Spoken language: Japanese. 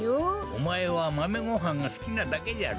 おまえはマメごはんがすきなだけじゃろ。